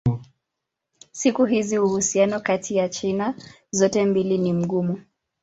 Siku hizi uhusiano kati ya China zote mbili ni mgumu.